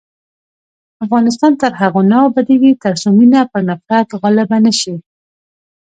افغانستان تر هغو نه ابادیږي، ترڅو مینه پر نفرت غالبه نشي.